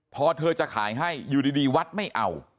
พอเธอจะขายให้อยู่ดีวัดไม่เอา